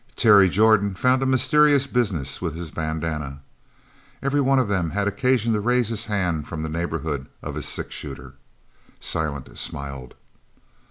Terry Jordan found a mysterious business with his bandana. Every one of them had occasion to raise his hand from the neighbourhood of his six shooter. Silent smiled.